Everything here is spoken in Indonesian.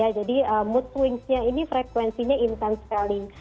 jadi mood swings nya ini frekuensinya intense scaling